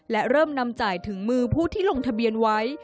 และเริ่มนำจ่ายถึงมือผู้ที่ลงทะเบียนไว้